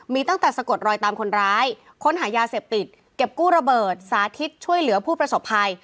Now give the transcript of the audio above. มีตั้งแต่สะกดรอยตามคนร้ายค้นหายาเสพติดเก็บกู้ระเบิดสาธิตช่วยเหลือผู้ประสบภัย